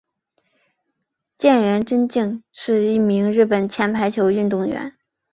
菅原贞敬是一名日本前排球运动员。